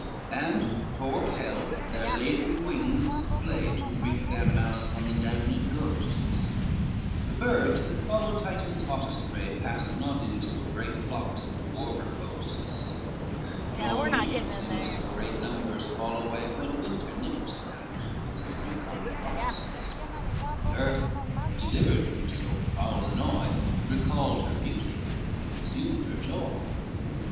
LXVI And toward hell their lazy wings display, To wreak their malice on the damned ghosts; The birds that follow Titan's hottest ray, Pass not in so great flocks to warmer coasts, Nor leaves in so great numbers fall away When winter nips them with his new come frosts; The earth delivered from so foul annoy, Recalled her beauty, and resumed her joy.